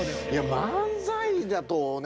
漫才だとね